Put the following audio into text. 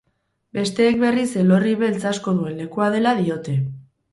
Besteek berriz elorri beltz asko duen lekua dela diote.